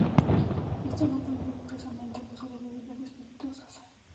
Esto no prohibió expresamente el uso de bebidas espirituosas.